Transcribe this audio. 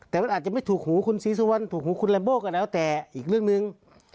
แต่มันอาจจะไม่ถูกหูคุณศรีสุวรรณถูกหูคุณลัมโบ้ก็แล้วแต่อีกเรื่องหนึ่ง